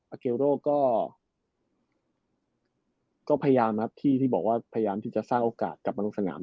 เกโรก็พยายามนัดที่ที่บอกว่าพยายามที่จะสร้างโอกาสกลับมาลงสนาม